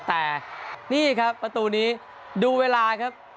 แต่นี่ครับประตูนี้ดูเวลาครับ